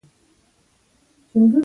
د بایسکل چلول د فشار کمولو کې مرسته کوي.